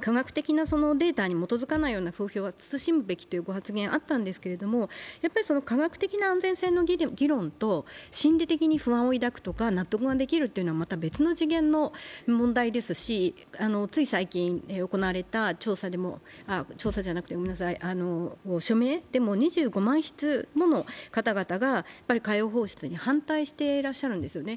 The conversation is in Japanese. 科学的なデータに基づかないような風評は慎むべきというご発言があったんですが、科学的な安全性の議論と心理的に不安を抱くとか納得ができるというのは別の次元の問題ですし、つい最近、行われた署名でも２５万筆もの方々が海洋放出に反対していらっしゃるんですよね。